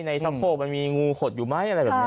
ชะโคกมันมีงูขดอยู่ไหมอะไรแบบนี้